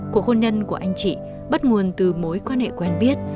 cuộc hôn nhân của anh chị bắt nguồn từ mối quan hệ quen biết